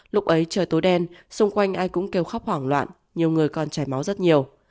lúc ấy trời tối đen xung quanh ai cũng kêu khóc hoảng loạn nhiều người còn chảy máu rất nhiều